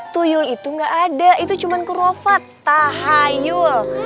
tuyul itu nggak ada itu cuma kurofat tahayul